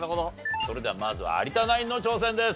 それではまず有田ナインの挑戦です。